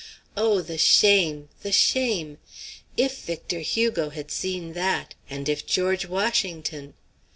Oh! the shame, the shame! If Victor Hugo had seen that! And if George Washington!